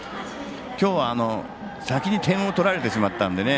今日は、先に点を取られてしまったんでね。